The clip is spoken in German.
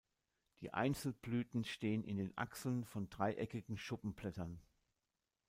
Die Einzelblüten stehen in den Achseln von dreieckigen Schuppenblättern.